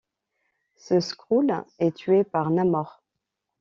Ce Skrull est tué par Namor.